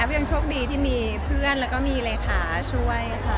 อีแอฟยังโชคดีที่มีเพื่อนและก็มีเลยค่าช่วยค่ะ